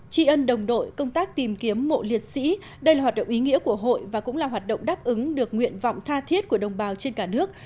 tri ân đồng đội công tác tìm kiếm mộ liệt sĩ đây là hoạt động ý nghĩa của hội và cũng là hoạt động đáp ứng được nguyện vọng tha thiết của đồng bào trên cả nước